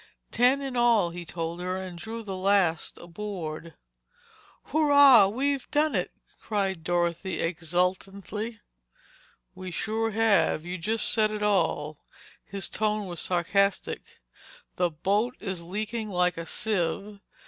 "Ten, in all," he told her and drew the last aboard. "Hooray! We've done it!" cried Dorothy exultantly. "We sure have. You just said it all—" His tone was sarcastic. "The boat is leaking like a sieve.